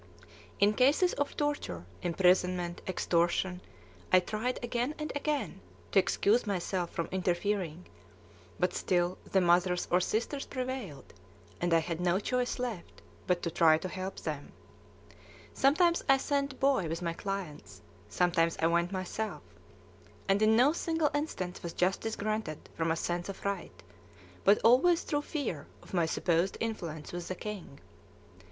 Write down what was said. In cases of torture, imprisonment, extortion, I tried again and again to excuse myself from interfering, but still the mothers or sisters prevailed, and I had no choice left but to try to help them. Sometimes I sent Boy with my clients, sometimes I went myself; and in no single instance was justice granted from a sense of right, but always through fear of my supposed influence with the king.